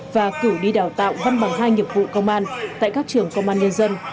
và cử đi đào tạo văn bằng hai nghiệp vụ công an tại các trường công an nhân dân